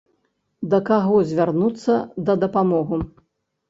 Да каго звярнуцца да дапамогу?